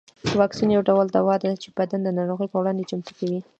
واکسین یو ډول دوا ده چې بدن د ناروغیو پر وړاندې چمتو کوي